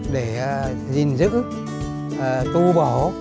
để gìn giữ tu bổ